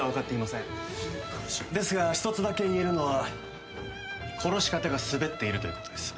ですが一つだけ言えるのは殺し方がスベっているということです。